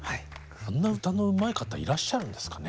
あんな歌のうまい方いらっしゃるんですかね。